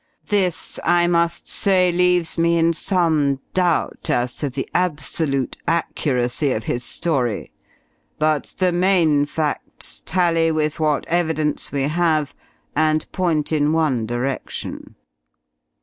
This, I must say, leaves me in some doubt as to the absolute accuracy of his story, but the main facts tally with what evidence we have and point in one direction.